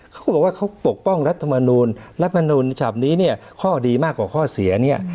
เขาก็บอกว่าเขาปกป้องรัฐมนูลรัฐมนูลฉบับนี้เนี่ยข้อดีมากกว่าข้อเสียเนี่ย